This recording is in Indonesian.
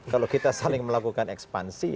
kalau kita saling melakukan ekspansi